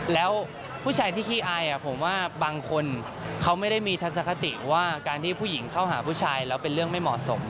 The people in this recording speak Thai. แล้วผู้ชายที่ขี้อายผมว่าบางคนเขาไม่ได้มีทัศนคติว่าการที่ผู้หญิงเข้าหาผู้ชายแล้วเป็นเรื่องไม่เหมาะสม